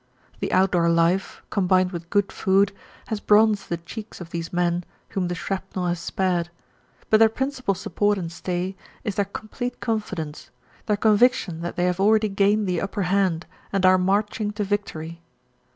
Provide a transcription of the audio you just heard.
The outdoor life, combined with good food, has bronzed the cheeks of these men whom the shrapnel has spared, but their principal support and stay is their complete confidence, their conviction that they have already gained the upper hand and are marching to victory.